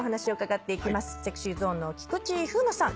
ＳｅｘｙＺｏｎｅの菊池風磨さん